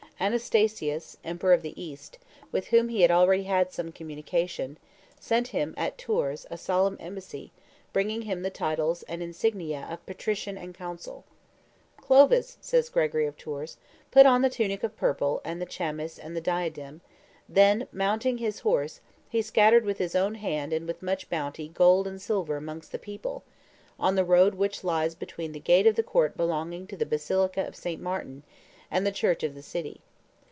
Anastasius, Emperor of the East, with whom he had already had some communication, sent to him at Tours a solemn embassy, bringing him the titles and insignia of Patrician and Consul. "Clovis," says Gregory of Tours, "put on the tunic of purple and the chlamys and the diadem; then mounting his horse, he scattered with his own hand and with much bounty gold and silver amongst the people, on the road which lies between the gate of the court belonging to the basilica of St. Martin and the church of the city.